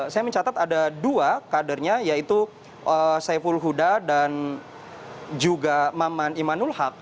saya mencatat ada dua kadernya yaitu saiful huda dan juga maman imanul haq